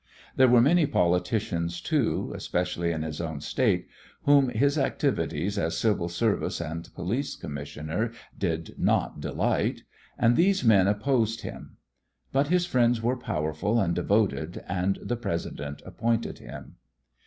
There were many politicians, too, especially in his own State, whom his activities as civil service and police commissioner did not delight, and these men opposed him. But his friends were powerful and devoted, and the President appointed him.